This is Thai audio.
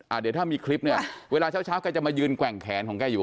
เดี๋ยวถ้ามีคลิปเนี่ยเวลาเช้าเช้าแกจะมายืนแกว่งแขนของแกอยู่